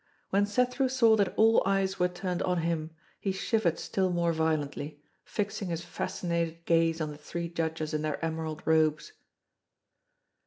When Cethru saw that all eyes were turned on him, he shivered still more violently, fixing his fascinated gaze on the three Judges in their emerald robes.